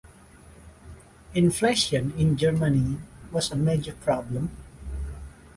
Inflation in Germany was a major problem.